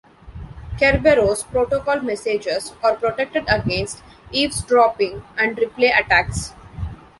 Kerberos protocol messages are protected against eavesdropping and replay attacks.